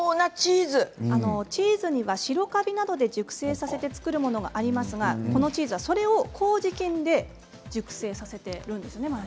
チーズには白カビなどで熟成させて作るものがありますがこのチーズはこうじ菌で熟成させているんですね。